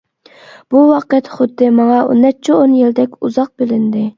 بۇ ۋاقىت خۇددى ماڭا نەچچە ئون يىلدەك ئۇزاق بىلىندى.